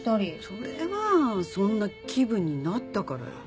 それはそんな気分になったからよ。